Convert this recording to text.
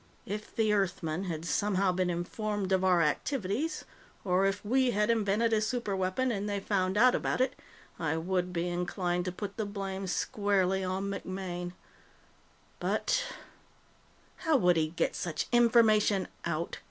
"If the Earthmen had somehow been informed of our activities, or if we had invented a superweapon and they found out about it, I would be inclined to put the blame squarely on MacMaine. But " "How would he get such information out?"